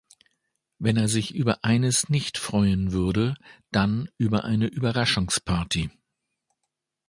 Wenn er sich über eines nicht freuen würde, dann über eine Überraschungsparty.